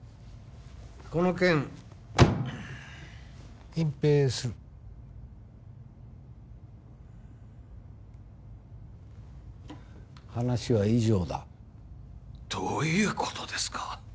この件隠蔽する話は以上だどういうことですか？